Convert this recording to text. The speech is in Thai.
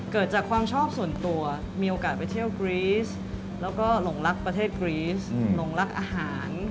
เกิดจากความชอบส่วนตัวมีโอกาสไปเที่ยวกรีสแล้วก็หลงรักประเทศกรีสหลงรักอาหาร